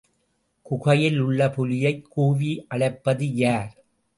குகையில் உள்ள புலியைக் கூவி அழைப்பது யார்?